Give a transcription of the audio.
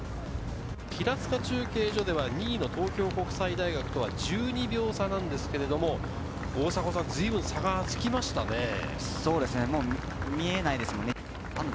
平塚中継所では２位の東京国際大学とは１２秒差なんですけれども、大迫さん、随分、差がつきましたね。